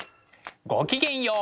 ごきげんよう。